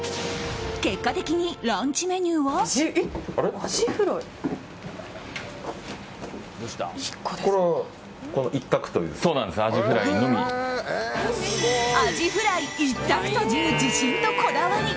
結果的にランチメニューは。アジフライ１択という自信とこだわり。